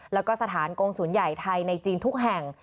แล้วก็สถานกงศูนย์ใหญ่ไทยในจีนทุกแห่ง